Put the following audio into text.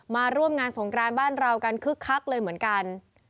มาร่วมงานสงกรานบ้านเรากันคึกคักเลยเหมือนกัน